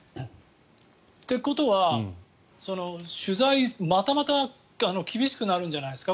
ということは取材、またまた厳しくなるんじゃないですか。